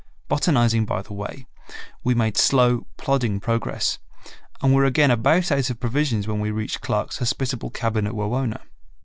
Botanizing by the way, we made slow, plodding progress, and were again about out of provisions when we reached Clark's hospitable cabin at Wawona.